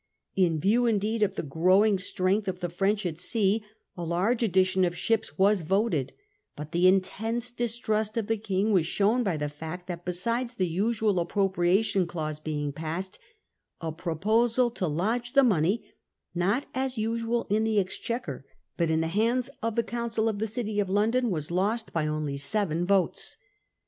In view indeed of the daily growing strength of the French at sea a large addition of ships was voted ; but the intense distrust of the King was shown by the fact that, besides the usual appropriation clause being passed, a proposal to lodge the money, not as usual in the Exchequer, but in the hands of the Council of the City of London, was lost by only seven votes.